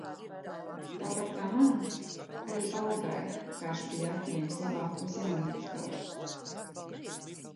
Tāpat, kā man, arī Olgai karš bija atņēmis labākos jaunības gadus.